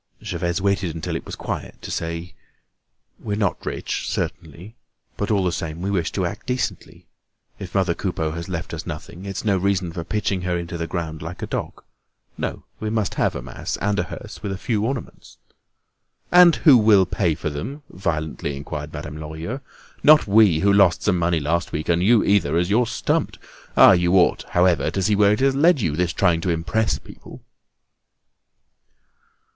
Gervaise waited until it was quiet to say: "We're not rich certainly; but all the same we wish to act decently. If mother Coupeau has left us nothing, it's no reason for pitching her into the ground like a dog. No; we must have a mass, and a hearse with a few ornaments." "And who will pay for them?" violently inquired Madame Lorilleux. "Not we, who lost some money last week; and you either, as you're stumped. Ah! you ought, however, to see where it has led you, this trying to impress people!"